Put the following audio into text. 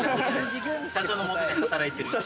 社長のもとで働いてる。